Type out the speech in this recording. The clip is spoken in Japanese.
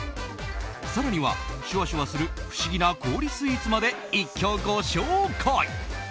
更には、シュワシュワする不思議な氷スイーツまで一挙ご紹介。